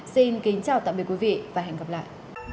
xin kính chào và hẹn gặp lại